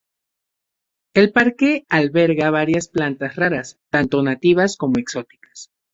El parque alberga varias plantas raras, tanto nativas como exóticas.